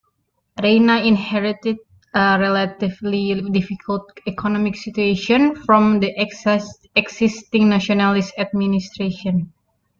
Reina inherited a relatively difficult economic situation from the existing nationalist administration.